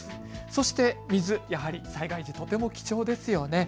そして水、やはり、災害時、とても貴重ですよね。